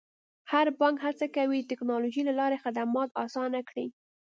هر بانک هڅه کوي د ټکنالوژۍ له لارې خدمات اسانه کړي.